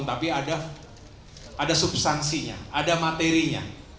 tapi ada substansinya ada materinya